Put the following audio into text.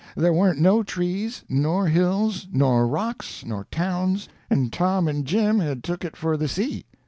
There warn't no trees, nor hills, nor rocks, nor towns, and Tom and Jim had took it for the sea.